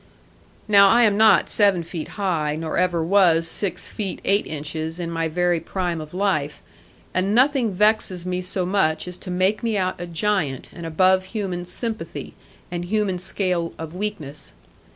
Now I am not seven feet high; nor ever was six feet eight inches, in my very prime of life; and nothing vexes me so much as to make me out a giant, and above human sympathy, and human scale of weakness.